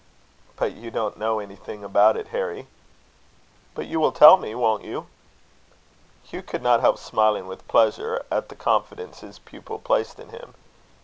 "But you don't know anything about it, Harry." "But you will tell me, won't you?" Hugh could not help smiling with pleasure at the confidence his pupil placed in him.